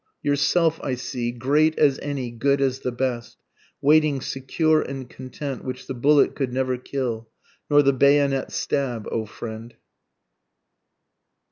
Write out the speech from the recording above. yourself I see, great as any, good as the best, Waiting secure and content, which the bullet could never kill, Nor the bayonet stab O friend.